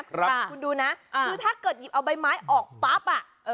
คุณดูนะคือถ้าเกิดหยิบเอาใบไม้ออกปั๊บอ่ะ